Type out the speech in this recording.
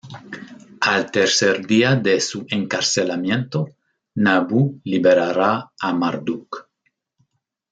Al tercer día de su encarcelamiento Nabu liberará a Marduk.